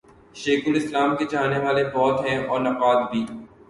شیخ الاسلام کے چاہنے والے بہت ہیں اور نقاد بھی۔